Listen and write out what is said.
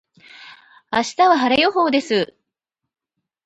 明日は晴れ予報です。